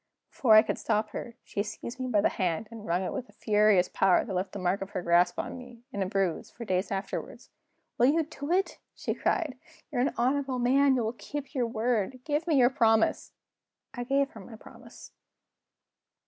Before I could stop her, she seized me by the hand, and wrung it with a furious power that left the mark of her grasp on me, in a bruise, for days afterward. "Will you do it?" she cried. "You're an honorable man; you will keep your word. Give me your promise!" I gave her my promise.